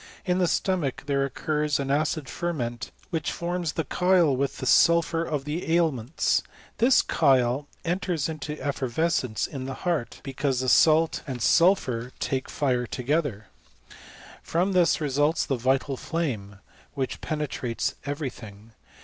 In the stomach there occurs an acid ferment, which forms the chyle with the sulphur of the aliments : this chyle enters into ^vescence in the heart, because the salt and suU 202 BISTORY OF CHEMIST&T. phur take fire together. From this results the vital: flame, which penetrates every thing.